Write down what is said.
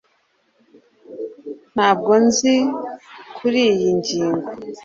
Ntabwo nzi kuriyi ngingo